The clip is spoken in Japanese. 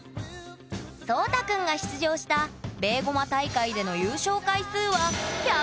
そうた君が出場したベーゴマ大会での優勝回数はええ！